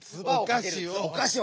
「おかし」を。